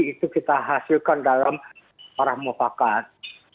itu kita hasilkan dalam parah mufakat